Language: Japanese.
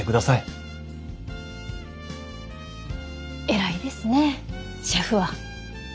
偉いですねぇシェフは。